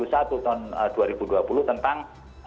tahun dua ribu dua puluh tentang